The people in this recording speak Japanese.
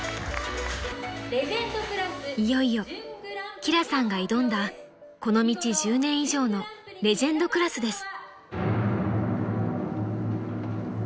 ［いよいよ輝さんが挑んだこの道１０年以上のレジェンドクラスです］